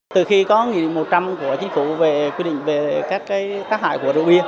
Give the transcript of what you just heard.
từ khi có nghị định một trăm linh của chính phủ về quy định về các tác hại của rượu bia